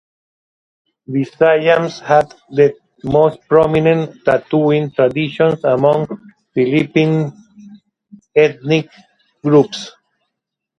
Visayans had the most prominent tattooing traditions among Philippine ethnic groups.